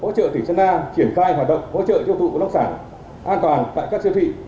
hỗ trợ tỉnh sơn la triển khai hoạt động hỗ trợ tiêu thụ nông sản an toàn tại các siêu thị